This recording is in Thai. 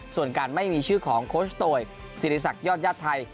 ส่วนการไม่มีชื่อของโคชโตยศิริษักยอดญาติไทย